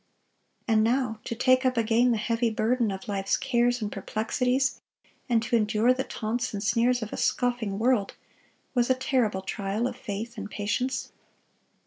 And now to take up again the heavy burden of life's cares and perplexities, and to endure the taunts and sneers of a scoffing world, was a terrible trial of faith and patience.